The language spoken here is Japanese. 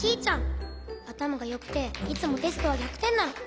あたまがよくていつもテストは１００てんなの。